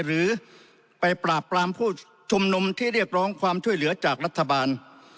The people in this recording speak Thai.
หรือไปปราบปรามผู้ชุมนุมที่เรียกร้องความช่วยเหลือจากรัฐบาล